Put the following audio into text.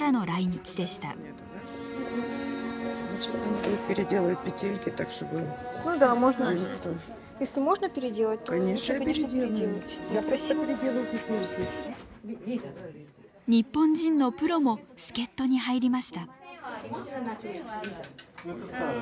日本人のプロも助っ人に入りました。